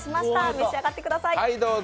召し上がってください。